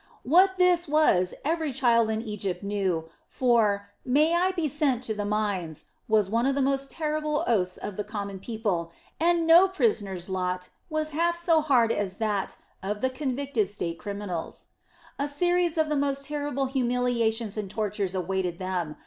What this was every child in Egypt knew, for "May I be sent to the mines!" was one of the most terrible oaths of the common people, and no prisoner's lot was half so hard as that of the convicted state criminals. A series of the most terrible humiliations and tortures awaited them.